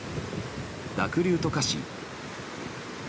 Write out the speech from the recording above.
濁流と化し。